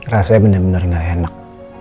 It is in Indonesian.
rasanya bener bener gak enak